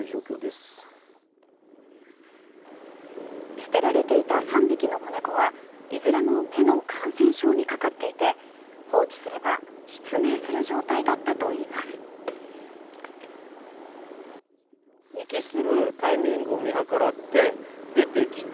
捨てられていた３匹の子猫はいずれも目の感染症にかかっていて放置すれば失明する状態だったといいます。